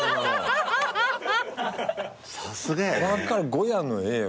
ゴヤの絵よ